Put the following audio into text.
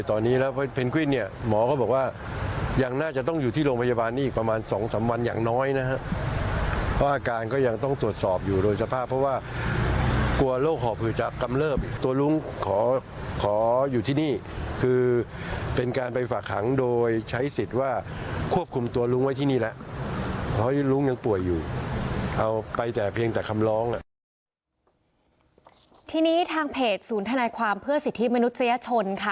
ทีนี้ทางเพจศูนย์ธนายความเพื่อสิทธิมนุษยชนค่ะ